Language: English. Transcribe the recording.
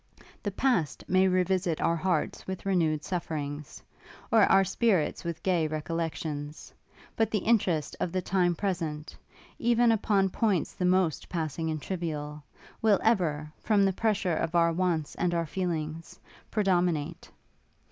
The past may re visit our hearts with renewed sufferings, or our spirits with gay recollections; but the interest of the time present, even upon points the most passing and trivial, will ever, from the pressure of our wants and our feelings, predominate.